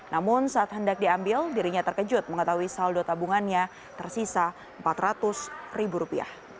namun saat hendak diambil dirinya terkejut mengetahui saldo tabungannya tersisa rp empat ratus